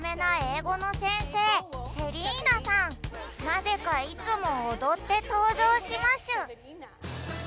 なぜかいつもおどってとうじょうしましゅ